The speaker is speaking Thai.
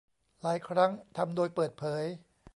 หลายครั้งทำโดยเปิดเผย